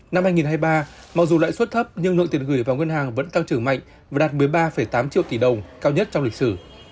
năm hai nghìn hai mươi ba mặc dù lãi suất thấp nhưng lượng tiền gửi vào ngân hàng vẫn tăng trưởng mạnh và đạt một mươi ba tám triệu tỷ đồng cao nhất trong lịch sử